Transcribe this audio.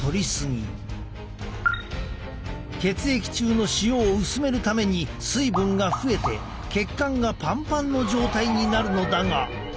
血液中の塩を薄めるために水分が増えて血管がパンパンの状態になるのだが。